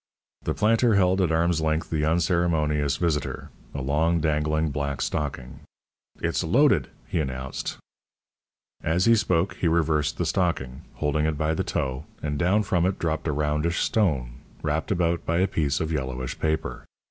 The planter held at arm's length the unceremonious visitor a long dangling black stocking. "It's loaded," he announced. As he spoke, he reversed the stocking, holding it by the toe, and down from it dropped a roundish stone, wrapped about by a piece of yellowish paper.